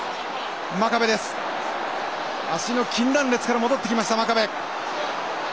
真壁です足の筋断裂から戻ってきました真壁。